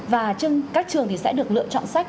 và các trường sẽ được lựa chọn sách